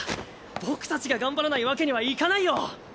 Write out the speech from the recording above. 僕たちが頑張らないわけにはいかないよ！